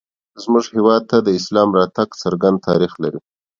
زموږ هېواد ته د اسلام راتګ څرګند تاریخ لري